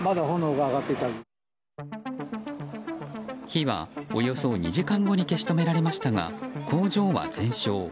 火は、およそ２時間後に消し止められましたが工場は全焼。